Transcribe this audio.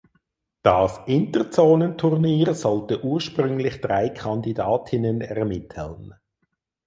Das Interzonenturnier sollte ursprünglich drei Kandidatinnen ermitteln.